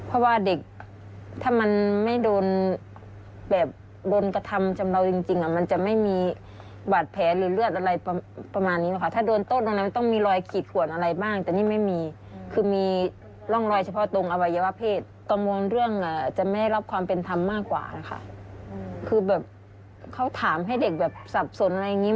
เรื่องจะไม่ได้รับความเป็นธรรมมากกว่าค่ะคือแบบเขาถามให้เด็กแบบสับสนอะไรอย่างงี้